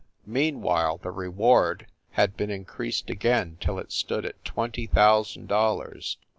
Meanwhile the reward had been increased again till it stood at twenty thousand dollars.